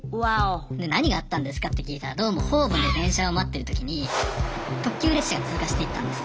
何があったんですかって聞いたらどうもホームで電車を待ってる時に特急列車が通過していったんですよ。